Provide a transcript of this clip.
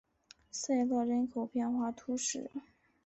塞勒人口变化图示